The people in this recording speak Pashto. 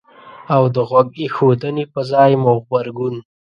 او د غوږ ایښودنې په ځای مو غبرګون